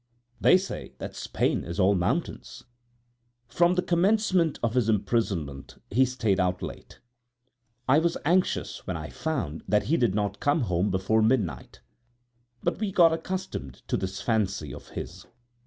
They say that Spain is all mountains! From the commencement of his imprisonment he stayed out late. I was anxious when I found that he did not come home before midnight; but we got accustomed to this fancy of his.